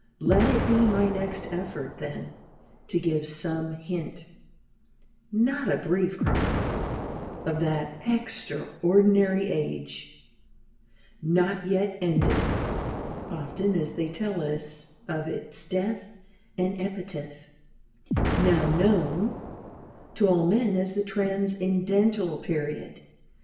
Let it be my next effort, then, to give some hint not a brief chronicle of that extraordinary age, not yet ended (often as they tell us of its death and epitaph), now known to all men as the Transcendental Period.